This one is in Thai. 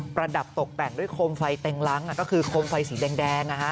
ระดับตกแต่งด้วยโคมไฟเต็งล้างก็คือโคมไฟสีแดง